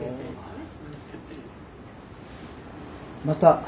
また。